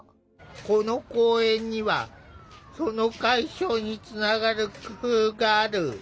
この公園にはその解消につながる工夫がある。